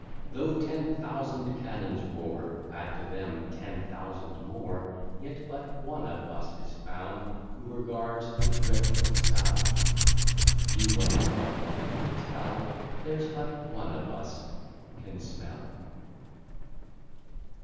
Though ten thousand cannons roar, Add to them ten thousand more, Yet but one of us is found Who regards the dreadful sound. Do what is not fit to tell, There's but one of us can smell.